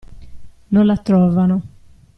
Non la trovano.